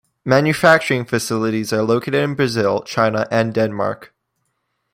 Manufacturing facilities are located in Brazil, China and Denmark.